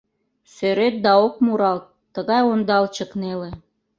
Сӧрет, да ок муралт, Тыгай ондалчык неле.